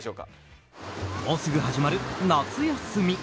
もうすぐ始まる夏休み。